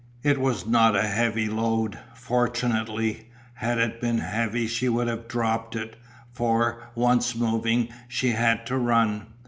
It was not a heavy load, fortunately. Had it been heavy she would have dropped it, for, once moving, she had to run.